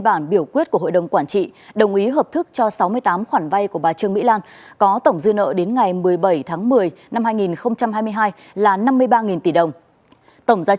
vay sáu trăm linh hai khoản vay tổng dư nợ là năm trăm bảy mươi bảy tỷ đồng